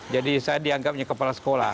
jadi saya dianggapnya kepala sekolah